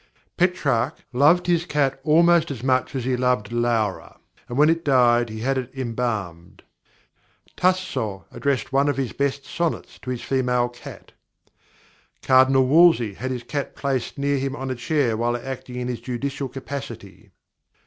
Petrarch loved his cat almost as much as he loved Laura, and when it died he had it embalmed. Tasso addressed one of his best sonnets to his female cat. Cardinal Wolsey had his cat placed near him on a chair while acting in his judicial capacity.